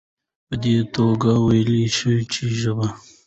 په دي توګه ويلايي شو چې ژبه